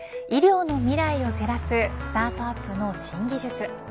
医療の未来を照らすスタートアップの新技術。